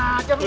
udah ajar lu